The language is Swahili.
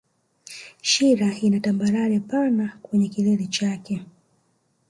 Shira ina tambarare pana kwenye kilele chake